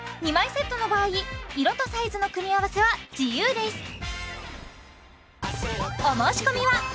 ２枚セットの場合色とサイズの組み合わせは自由です